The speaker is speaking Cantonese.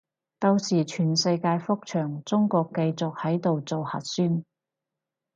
到時全世界復常，中國繼續喺度做核酸